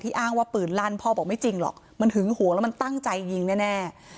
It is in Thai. อ้างว่าปืนลั่นพ่อบอกไม่จริงหรอกมันหึงหวงแล้วมันตั้งใจยิงแน่